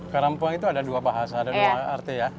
karampuang itu ada dua bahasa dan dua arti ya